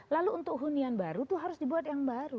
lalu untuk hunian baru itu harus dibuat yang baru